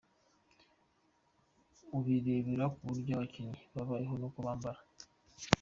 Ubirebera ku buryo abakinnyi babayeho n’uko bambara.